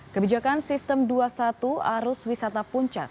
kebijakan sistem dua puluh satu arus wisata puncak